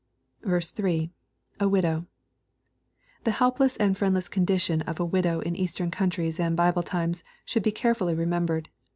3. — [A widow.l The helpless and friendless condition of a widow in Eastern countries and Bible times, should be carefully remem bered.